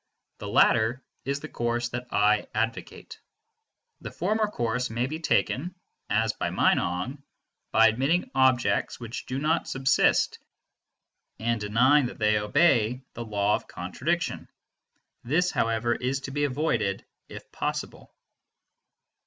The latter is the course that I advocate. The former course may be taken, as by Meinong, by admitting objects which do not subsist, and denying that they obey the law of contradiction; this, however, is to be avoided if possible.